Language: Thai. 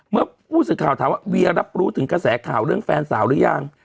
เมื่อผู้สื่อข่าวถามว่าเวียรับรู้ถึงกระแสข่าวเรื่องแฟนสาวหรือยัง